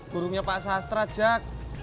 burungnya pak sastra jack